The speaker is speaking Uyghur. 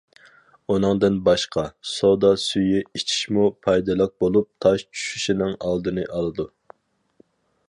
ئۇنىڭدىن باشقا، سودا سۈيى ئىچىشمۇ پايدىلىق بولۇپ، تاش چۈشۈشنىڭ ئالدىنى ئالىدۇ.